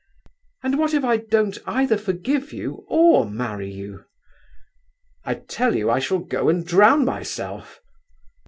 'And what if I don't either forgive you or marry, you?' 'I tell you I shall go and drown myself.